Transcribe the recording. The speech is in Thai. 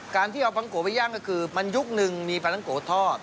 การที่เอาปังโกะไปย่างก็คือมันยุคนึงมีปลานังโกทอด